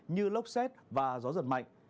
như lốc xét và gió giật mạnh